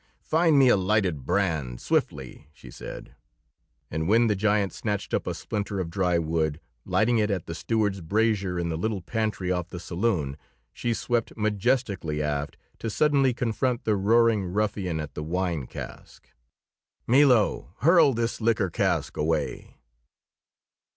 "Find me a lighted brand swiftly!" she said, and when the giant snatched up a splinter of dry wood, lighting it at the steward's brazier in the little pantry off the saloon, she swept majestically aft to suddenly confront the roaring ruffian at the wine cask. "Milo, hurl this liquor cask away!"